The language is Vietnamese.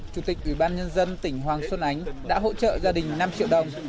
chủ tịch ủy ban nhân dân tỉnh hoàng xuân ánh đã hỗ trợ gia đình năm triệu đồng